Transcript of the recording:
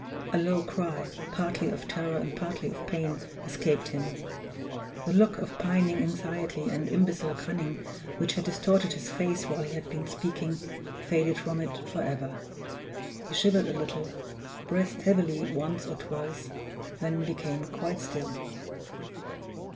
A low cry, partly of terror and partly of pain, escaped him; the look of pining anxiety and imbecile cunning which had distorted his face while he had been speaking, faded from it forever. He shivered a little, breathed heavily once or twice, then became quite still.